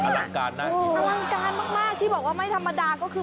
อลังการมากที่บอกว่าไม่ธรรมดาก็คือ